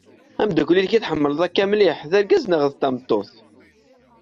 Ameddakel-inek i tḥemmleḍ akk mliḥ d argaz neɣ d tameṭṭut?